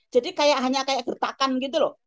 kayak hanya kayak gertakan gitu loh